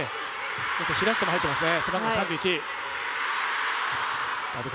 平下も入っていますね。